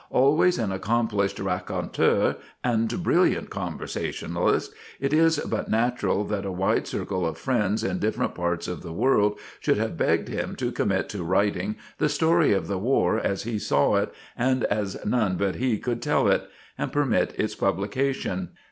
Always an accomplished raconteur and brilliant conversationalist, it is but natural that a wide circle of friends in different parts of the world should have begged him to commit to writing the story of the war as he saw it and as none but he could tell it, and permit its publication.